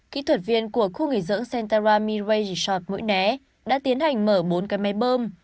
kỹ thuật viên của khu nghỉ dưỡng sentara mirai resort mũi né đã tiến hành mở bốn cái máy bơm